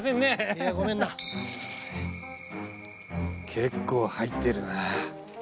結構入ってるな。